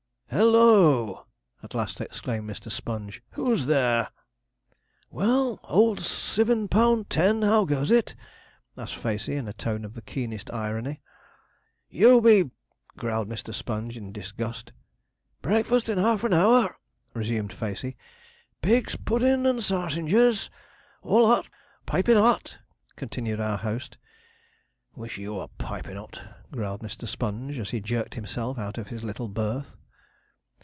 'HALLOO!' at last exclaimed Mr. Sponge, 'who's there?' 'Well, old Sivin Pund Ten, how goes it?' asked Facey, in a tone of the keenest irony. 'You be !' growled Mr. Sponge, in disgust. 'Breakfast in half an hour!' resumed Facey. 'Pigs' puddin's and sarsingers all 'ot pipin' 'ot!' continued our host. 'Wish you were pipin' 'ot,' growled Mr. Sponge, as he jerked himself out of his little berth.